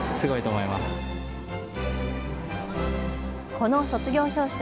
この卒業証書。